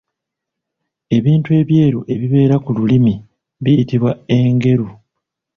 Ebintu ebyeru ebibeera ku lulimi biyitibwa engeru.